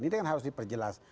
ini kan harus diperjelas